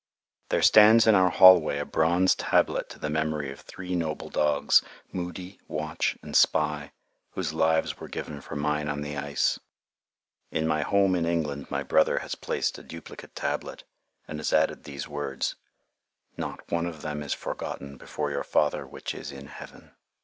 There stands in our hallway a bronze tablet to the memory of three noble dogs, Moody, Watch, and Spy, whose lives were given for mine on the ice. In my home in England my brother has placed a duplicate tablet, and has added these words, "Not one of them is forgotten before your Father which is in heaven."